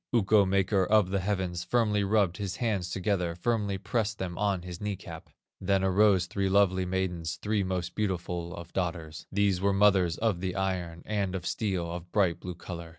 Ukko, maker of the heavens, Firmly rubbed his hands together, Firmly pressed them on his knee cap, Then arose three lovely maidens, Three most beautiful of daughters; These were mothers of the iron, And of steel of bright blue color.